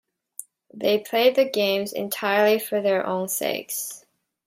They played the games entirely for their own sakes.